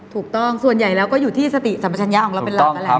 ถูกต้องส่วนใหญ่แล้วก็อยู่ที่สติสัมปชัญญะของเราเป็นหลักนั่นแหละ